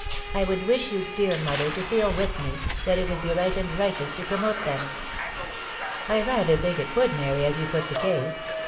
I would wish you, dear mother, to fed with me, that it would be right and righteous to promote them." " 1 rather think it would, Mary, as you put the case.